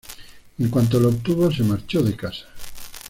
En cuanto lo obtuvo, se marchó de casa.